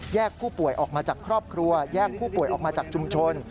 ผู้ป่วยออกมาจากครอบครัวแยกผู้ป่วยออกมาจากชุมชน